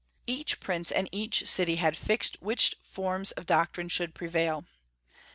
Each prince and each city had fixed which form of doc trine should prevail.